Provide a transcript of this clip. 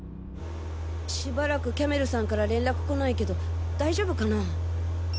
しばらくキャメルさんから連絡来ないけど大丈夫かな？